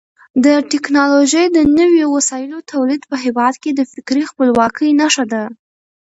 د ټکنالوژۍ د نویو وسایلو تولید په هېواد کې د فکري خپلواکۍ نښه ده.